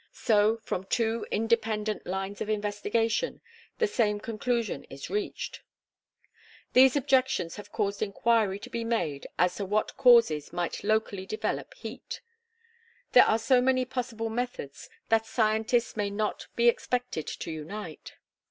So, from two independent lines of investigation, the same conclusion is reached. These objections have caused inquiry to be made as to what causes might locally develop heat. Here there are so many possible methods that scientists may not be expected to unite.